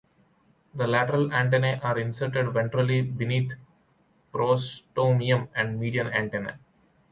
The lateral antennae are inserted ventrally (beneath prostomium and median antenna).